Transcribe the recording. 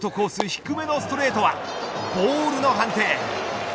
低めのストレートはボールの判定。